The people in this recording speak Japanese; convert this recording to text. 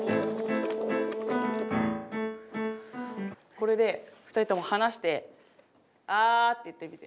これで２人とも離して「あー」って言ってみて。